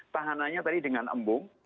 tahanannya tadi dengan embung